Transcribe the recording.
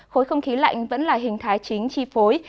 khối không khí lạnh vẫn là hình thái chính chi phối